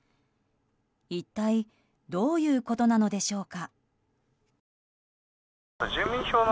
一体どういうことなのでしょうか。